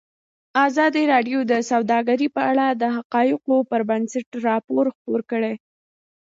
ازادي راډیو د سوداګري په اړه د حقایقو پر بنسټ راپور خپور کړی.